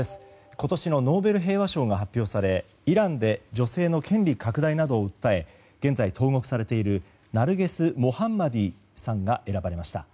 今年のノーベル平和賞が発表されイランで女性の権利拡大などを訴え現在、投獄されているナルゲス・モハマディさんが選ばれました。